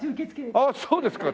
ああそうですか